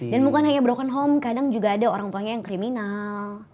dan bukan hanya broken home kadang juga ada orang tuanya yang kriminal